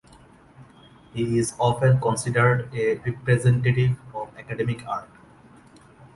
He is often considered a representative of Academic art.